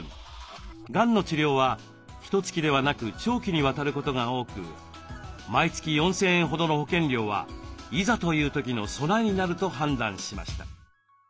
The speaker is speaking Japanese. がんの治療はひとつきではなく長期にわたることが多く毎月４，０００円ほどの保険料はいざという時の備えになると判断しました。